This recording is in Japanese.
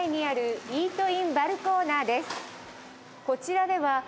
こちらでは。